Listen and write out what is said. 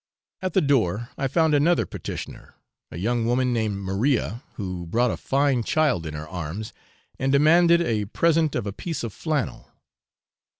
At the door I found another petitioner, a young woman named Maria, who brought a fine child in her arms, and demanded a present of a piece of flannel.